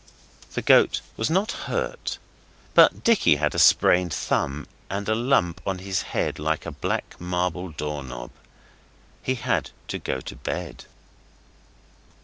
The goat was not hurt, but Dicky had a sprained thumb and a lump on his head like a black marble door knob. He had to go to bed.